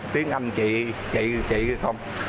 tiếng âm chị chị không